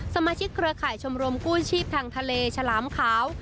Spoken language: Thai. เครือข่ายชมรมกู้ชีพทางทะเลฉลามขาว